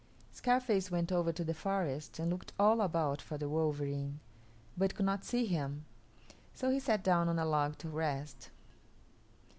Scarface went over to the forest and looked all about for the wolverene, but could not see him; so he sat down on a log to rest.